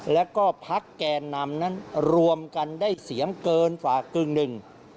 แล้วก็พักแกนนำนั้นรวมกันได้เสียงเกินฝากกึ่งหนึ่ง